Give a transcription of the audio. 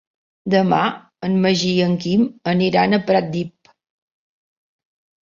Demà en Magí i en Quim aniran a Pratdip.